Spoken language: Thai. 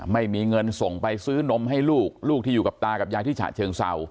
ไม่มีเงินส่งไปซื้อนมให้ลูกลูกที่อยู่กับตากับยายที่ฉะเชิงเศร้า